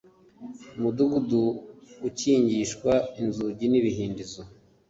mudugudu ukingishwa inzugi n ibihindizo